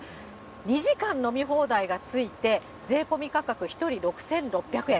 ２時間飲み放題がついて、税込み価格１人６６００円。